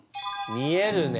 見えるね。